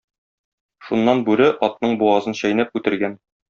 Шуннан бүре, атның бугазын чәйнәп, үтергән.